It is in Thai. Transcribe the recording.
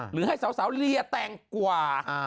หรือให้สาวเลียแตงกว่า